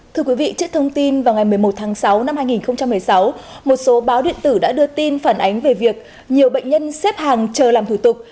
thưa quý vị trước thông tin vào ngày một mươi một tháng sáu năm hai nghìn một mươi sáu một số báo điện tử đã đưa tin phản ánh về việc nhiều bệnh nhân xếp hàng chờ làm thủ tục